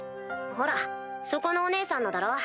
ほらそこのお姉さんのだろ？